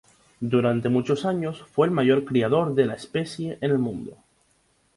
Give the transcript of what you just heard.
Durante muchos años fue el mayor criador de la especie en el mundo.